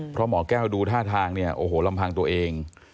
เพราะหมอแก้วดูท่าทางเนี่ยโอ้โหลำพังตัวเอง